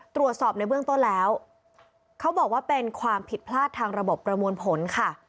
ตรวจสอบในเบื้องต้นแล้วเขาบอกว่าเป็นความผิดพลาดทางระบบประมวลผลค่ะ